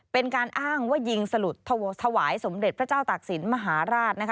เป็นการอ้างว่ายิงสลุดถวายสมเด็จพระเจ้าตากศิลปมหาราชนะคะ